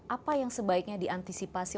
apa yang sebaiknya diantisipasi